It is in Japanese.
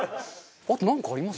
あとなんかあります？